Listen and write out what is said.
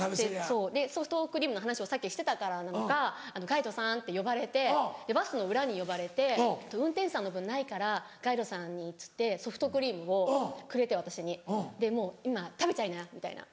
ソフトクリームの話をさっきしてたからなのか「ガイドさん」って呼ばれてバスの裏に呼ばれて「運転手さんの分ないからガイドさんに」っつってソフトクリームをくれて私にもう「今食べちゃいな」みたいな。